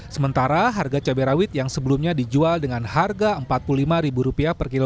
sementara harga cabai rawit yang sebelumnya dijual dengan harga rp empat puluh lima